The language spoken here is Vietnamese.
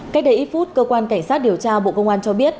cách đây ít phút cơ quan cảnh sát điều tra bộ công an cho biết